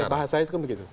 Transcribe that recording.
nah saya itu kan begitu